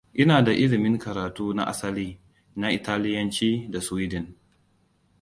Ina da ilimin karatu na asali na Italiyanci da Sweden.